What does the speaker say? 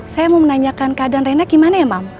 saya mau menanyakan keadaan rena gimana ya mam